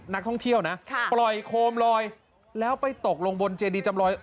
นักท่องเที่ยวนะปล่อยโคมลอยแล้วไปตกลงบนเจดีจำลอย